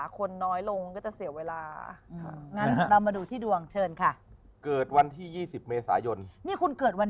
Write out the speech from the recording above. ก็เลยสวยเหมือนกัน